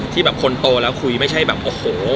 ที่แบบคนโตแล้วคุยไม่ใช่แบบโอ้โห